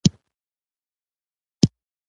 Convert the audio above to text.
شريف غږ نور هم ټيټ کړ.